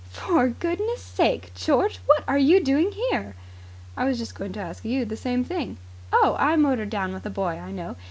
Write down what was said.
"For goodness' sake, George, what are you doing here?" "I was just going to ask you the same thing." "Oh, I motored down with a boy I know.